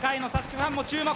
ファンも注目。